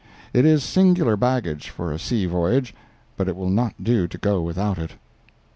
It is singular baggage for a sea voyage, but it will not do to go without it.